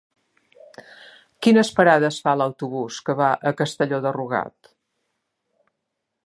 Quines parades fa l'autobús que va a Castelló de Rugat?